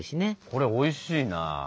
これおいしいな。